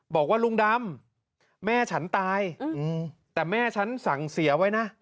บอกว่าลุงดำแม่ฉันตายแต่แม่ฉันสั่งเสียไว้นะ